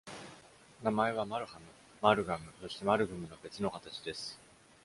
名前は Malham、Malgham、そして Malghum の別の形です。